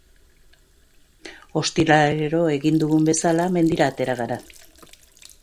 Ostiralero egin dugun bezala, mendira atera gara.